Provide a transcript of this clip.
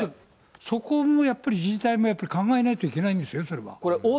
そこもやっぱり、自治体もやっぱり考えないといけないんですよ、それは。